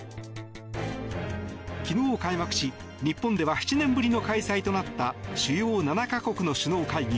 昨日、開幕し日本では７年ぶりの開催となった主要７か国の首脳会議